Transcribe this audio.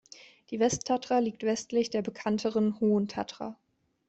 Die Westtatra liegt westlich der bekannteren Hohen Tatra.